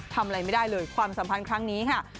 ทำอะไรไม่ได้เลยความสัมพันธ์ครั้งนี้ค่ะ